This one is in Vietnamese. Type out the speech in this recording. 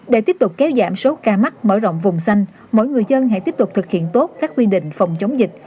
để tiếp tục kéo giảm số ca mắc mở rộng vùng xanh mỗi người dân hãy tiếp tục thực hiện tốt các quy định phòng chống dịch